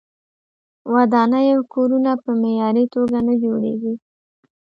ودانۍ او کورونه په معیاري توګه نه جوړیږي.